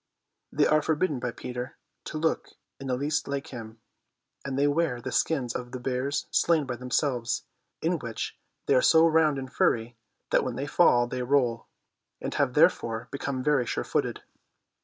They are forbidden by Peter to look in the least like him, and they wear the skins of the bears slain by themselves, in which they are so round and furry that when they fall they roll. They have therefore become very sure footed.